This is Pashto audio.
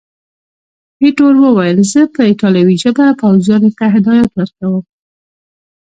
ایټور وویل، زه په ایټالوي ژبه پوځیانو ته هدایات ورکوم.